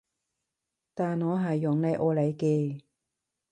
但我係用嚟愛你嘅